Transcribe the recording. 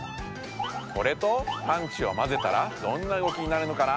これとパンチをまぜたらどんな動きになるのかな？